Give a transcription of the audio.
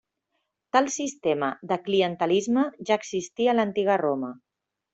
Tal sistema de clientelisme ja existia a l'antiga Roma.